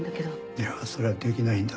いやそれはできないんだ。